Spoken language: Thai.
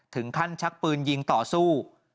ถึงขั้นชักปืนยิงต่อสู้